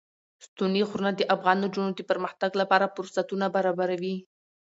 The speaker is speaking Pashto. ستوني غرونه د افغان نجونو د پرمختګ لپاره فرصتونه برابروي.